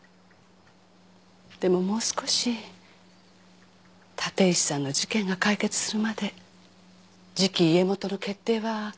でももう少し立石さんの事件が解決するまで次期家元の決定は待つことにしましょう。